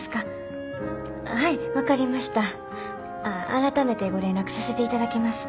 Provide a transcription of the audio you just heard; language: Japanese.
改めてご連絡させていただきます。